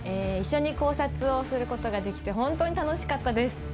一緒に考察をすることができてホントに楽しかったです。